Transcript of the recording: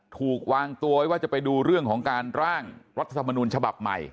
ถูกวางตัวไว้ว่าจะไปดูเรื่องของการร่างรัฐธรรมนูญฉบับใหม่